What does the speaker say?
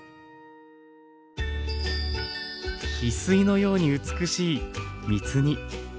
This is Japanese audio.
翡翠のように美しい密煮。